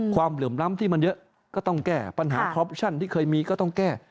ความเหลือมร้ำที่มันเยอะก็ต้องแก้ปัญหาประโยชน์ที่เคยมีก็ต้องแก้